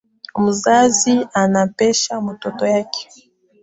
Mzazi amemchapa mtoto wake.